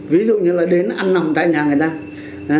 ví dụ như là đến ăn nòng tại nhà người ta